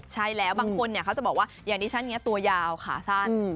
ใช่แล้วบางคนเนี่ยเขาจะบอกว่าอย่างที่ฉันเนี่ยตัวยาวขาสั้น